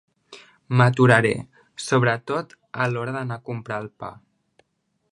M'aturaré, sobretot a l'hora d'anar a comprar pa.